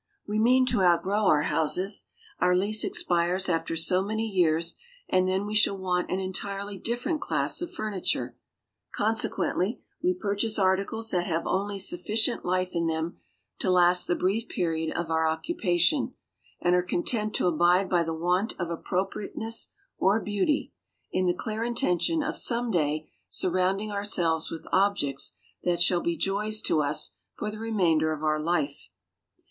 We mean to outgrow our houses our lease expires after so many years and then we shall want an entirely different class of furniture; consequently we purchase articles that have only sufficient life in them to last the brief period of our occupation, and are content to abide by the want of appropriateness or beauty, in the clear intention of some day surrounding ourselves with objects that shall be joys to us for the remainder of our life.